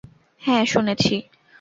হ্যাঁ, শুনেছি।